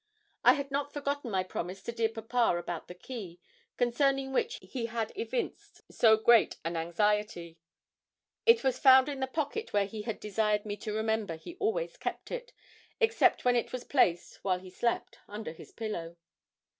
I had not forgotten my promise to dear papa about the key, concerning which he had evinced so great an anxiety. It was found in the pocket where he had desired me to remember he always kept it, except when it was placed, while he slept, under his pillow.